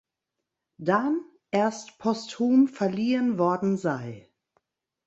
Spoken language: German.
Dan erst posthum verliehen worden sei.